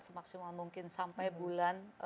semaksimal mungkin sampai bulan